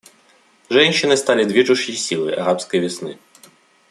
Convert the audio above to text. Женщины стали движущей силой «арабской весны».